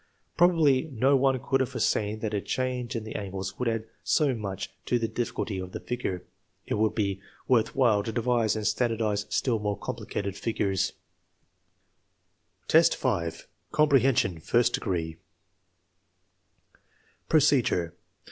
Probably no one could have foreseen that a change in the angles would add so much to the difficulty of the figure. It would be worth while to devise and standardize still more complicated figures. IV, 5. Comprehension, first degree Procedure.